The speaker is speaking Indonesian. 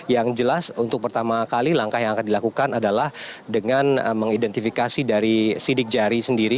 yang jelas untuk pertama kali langkah yang akan dilakukan adalah dengan mengidentifikasi dari sidik jari sendiri